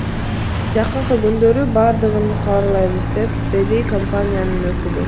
Жакынкы күндөрү бардыгын кабарлайбыз, — деди компаниянын өкүлү.